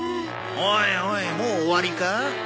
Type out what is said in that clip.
おいおいもう終わりか？